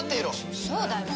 そうだよ。